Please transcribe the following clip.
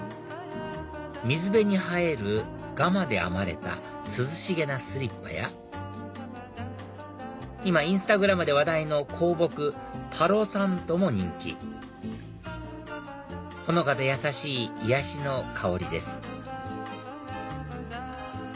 水辺に生えるガマで編まれた涼しげなスリッパや今インスタグラムで話題の香木パロサントも人気ほのかでやさしい癒やしの香りです